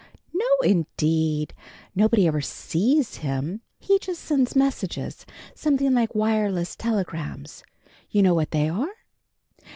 "No, indeed! Nobody ever sees him. He just sends messages, something like wireless telegrams. You know what they are?"